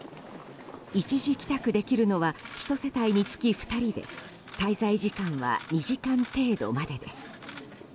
一時帰宅できるのは１世帯につき２人で滞在時間は２時間程度までです。